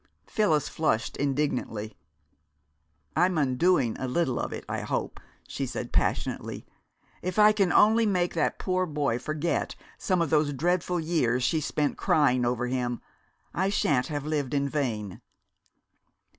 Phyllis flushed indignantly. "I'm undoing a little of it, I hope," she said passionately. "If I can only make that poor boy forget some of those dreadful years she spent crying over him, I shan't have lived in vain!"